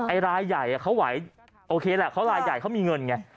รายใหญ่เขาไหวโอเคแหละเขารายใหญ่เขามีเงินไง